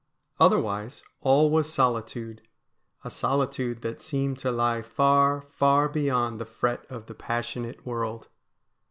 Otherwise all was solitude — a solitude that seemed to lie far, far beyond the fret of the passionate world.